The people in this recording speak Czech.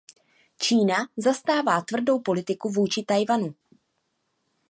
Čína zastává tvrdou politiku vůči Tchaj-wanu.